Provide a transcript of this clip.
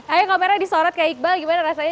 ayo kameranya disorot ke iqbal gimana rasanya